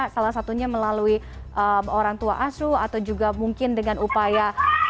salah satunya melalui orang tua asuh atau juga mungkin dengan upaya